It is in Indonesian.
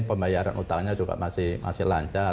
pembayaran utangnya juga masih lancar